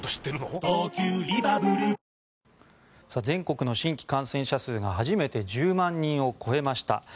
全国の新規感染者数が初めて１０万人を超えました。